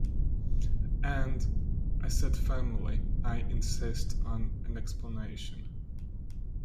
And," I said firmly, "I insist on an explanation.